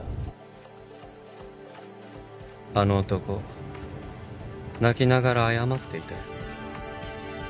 あの男泣きながら謝っていたよ。